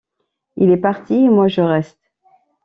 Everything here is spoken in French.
Il est parti, et moi je reste.